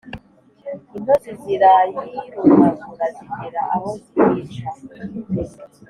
intozi zirayirumagura, zigera aho ziyica